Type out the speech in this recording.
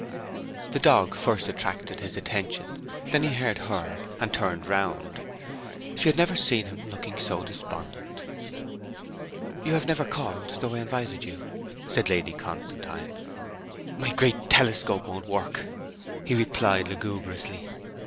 The dog first attracted his attention; then he heard her, and turned round. She had never seen him looking so despondent. 'You have never called, though I invited you,' said Lady Constantine. 'My great telescope won't work!' he replied lugubriously.